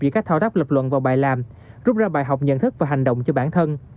giữa các thao tác lập luận và bài làm rút ra bài học nhận thức và hành động cho bản thân